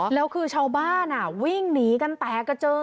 แล้วคือชาวบ้านวิ่งหนีกันแตกกระเจิง